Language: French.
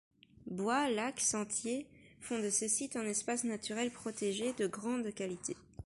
Bois, lacs, sentiers font de ce site un espace naturel protégé de grande qualité.